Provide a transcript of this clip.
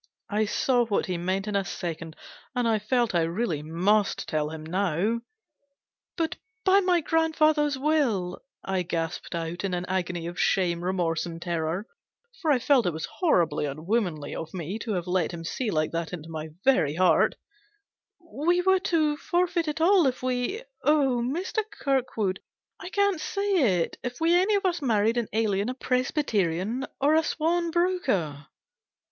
I saw what he meant in a second, and I felt I really must tell him now. " But by my grandfather's will," I gasped out, in an agony of shame, remorse, and terror for I felt it was horribly unwomanly of me to have let him see like that into my very heart " we were to 342 GENERAL PASSAVANT'S WILL. forfeit it all if we oh ! Mr. Kirkwood, I can't say it if we any of us married an alien, a Presbyterian or a sworn broker."